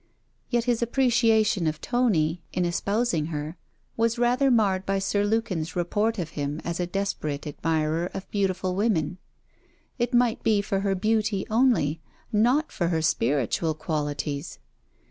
Yet his appreciation of Tony in espousing her, was rather marred by Sir Lukin's report of him as a desperate admirer of beautiful woman. It might be for her beauty only, not for her spiritual qualities!